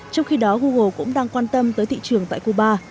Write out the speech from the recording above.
trong khi đó google cũng đang quan tâm tới thị trường tại cuba